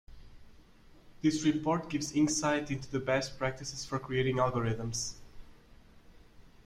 This report gives insights into the best practices for creating algorithms.